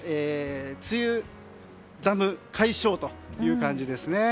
梅雨寒解消という感じですね。